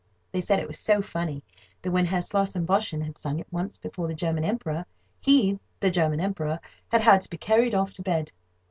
They said it was so funny that, when Herr Slossenn Boschen had sung it once before the German Emperor, he (the German Emperor) had had to be carried off to bed.